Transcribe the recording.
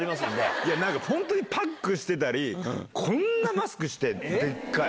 いや、本当にパックしてたり、こんなマスクして、でっかい。